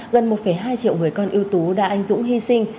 gần một hai triệu người con ưu tú đã anh dũng hy sinh